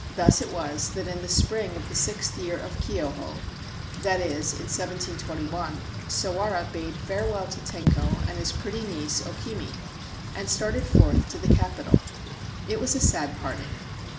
Thus it was that in the spring of the sixth year of Kioho — that is, in 1721 — Sawara bade farewell to Tenko and his pretty niece O Kimi, and started forth to the capital. It was a sad parting.